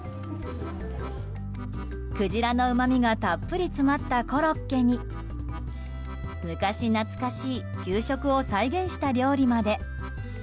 クジラのうまみがたっぷり詰まったコロッケに昔懐かしい給食を再現した料理まで。